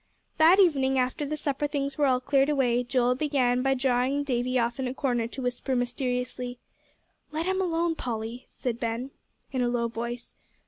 That evening, after the supper things were all cleared away, Joel began by drawing Davie off in a corner to whisper mysteriously. "Let him alone, Polly," said Ben, in a low voice.